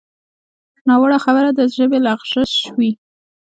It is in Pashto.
ناوړه خبره د ژبې لغزش وي